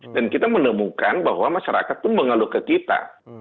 dan kita menemukan bahwa masyarakat itu mengaluh ke kita